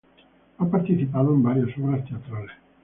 Ha participado en varias obras teatrales.